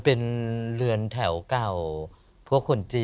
โปรดติดตามต่อไป